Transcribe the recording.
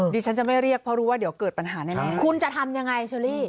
ดิฉันจะไม่เรียกเพราะรู้ว่าเดี๋ยวเกิดปัญหาแน่นั้นใช่คุณจะทำยังไง